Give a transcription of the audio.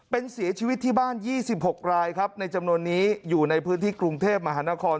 เป็นเสียชีวิตที่บ้าน๒๖รายครับในจำนวนนี้อยู่ในพื้นที่กรุงเทพมหานคร